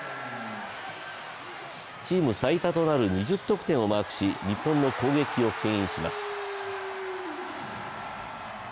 チーム最多となる２０得点をマークし日本の攻撃をけん制します。